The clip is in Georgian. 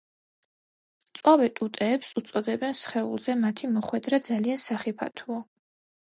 მწვავე ტუტეებს უწოდებენ სხეულზე მათი მოხვედრა ძალიან სახიფათოა.